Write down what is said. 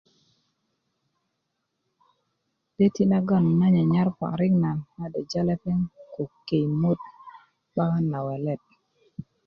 'deti nagon nan nyanyar parik na nan derja lepeŋ ko köyimöt 'bakan na welet